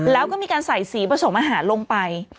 แล้วก็มีการใส่สีผสมอาหารลงไป